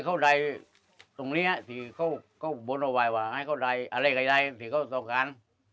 เพราะตรงนี้เขาก็บุญไว้ว่าเขาได้อะไรไงก็ต้องการ